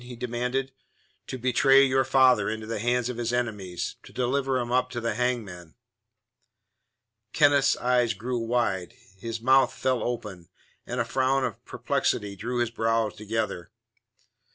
he demanded. "To betray your father into the hands of his enemies; to deliver him up to the hangman." Kenneth's eyes grew wide; his mouth fell open, and a frown of perplexity drew his brows together.